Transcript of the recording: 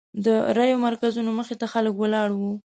د رایو مرکزونو مخې ته خلک ولاړ وو.